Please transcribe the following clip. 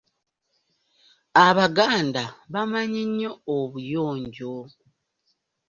Abaganda bamanyi nnyo obuyonjo.